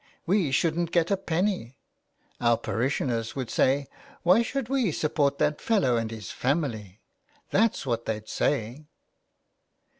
We shouldn't get a penny. Our parishioners would say, ' Why should we support that fellow and his family ?' That's what they'd say."